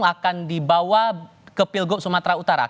akan dibawa ke pilgub sumatera utara